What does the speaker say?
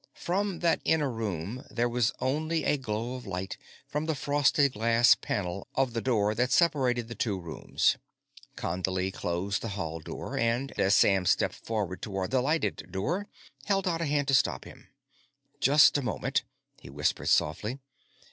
From that inner room, there was only a glow of light from the frosted glass panel of the door that separated the two rooms. Condley closed the hall door, and, as Sam stepped forward toward the lighted door, held out a hand to stop him. "Just a moment," he whispered softly.